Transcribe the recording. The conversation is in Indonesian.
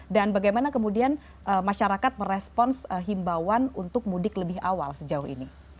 dan bagaimana kemudian masyarakat merespons himbauan untuk mudik lebih awal sejauh ini